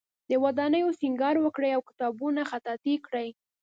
د ودانیو سینګار وکړي او کتابونه خطاطی کړي.